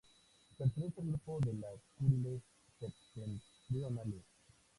Pertenece al grupo de las Kuriles septentrionales.